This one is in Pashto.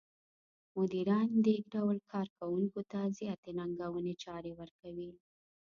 مديران دې ډول کار کوونکو ته زیاتې ننګوونکې چارې ورکوي.